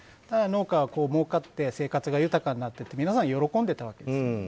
農家はもうかって生活が豊かになって皆さん、喜んでいたわけです。